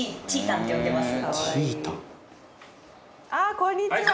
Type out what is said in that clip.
こんにちは。